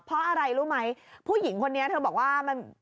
เพราะอะไรรู้ไหมผู้หญิงคนนี้เธอบอกว่ามัน